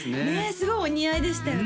すごいお似合いでしたよね